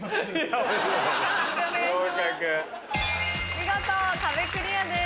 見事壁クリアです。